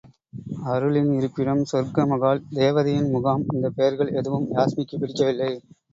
அருளின் இருப்பிடம் சொர்க்க மகால் தேவதையின் முகாம் இந்தப் பெயர்கள் எதுவும் யாஸ்மிக்குப் பிடிக்கவில்லை.